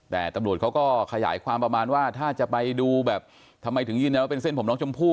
แต่ตำรวจเขาก็ขยายความประมาณว่าถ้าจะไปดูแบบทำไมถึงยืนยันว่าเป็นเส้นผมน้องชมพู่